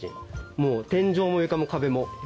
もう天井も床も壁も。